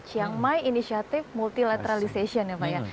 chiang mai initiative multilateralization ya pak ya